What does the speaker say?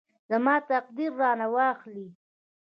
زما تقدیر رانه واخلي.